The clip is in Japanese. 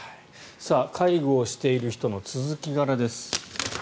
介護をしている人の続き柄です。